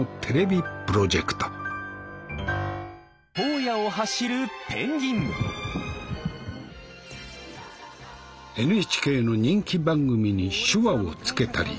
荒野を走るペンギンＮＨＫの人気番組に手話をつけたり。